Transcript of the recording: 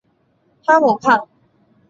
哈姆畔。